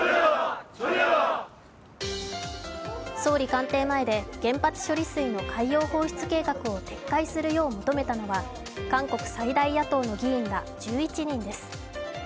総理官邸前で原発処理水の海洋放出計画を撤回するよう求めたのは韓国最大野党の議員ら１１人です。